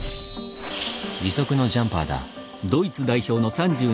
義足のジャンパーだ。